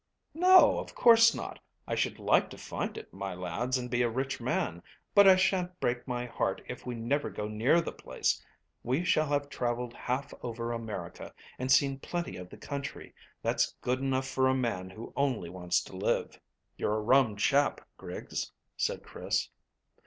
"No, of course not. I should like to find it, my lads, and be a rich man; but I shan't break my heart if we never go near the place. We shall have travelled half over America and seen plenty of the country. That's good enough for a man who only wants to live." "You're a rum chap, Griggs," said Chris.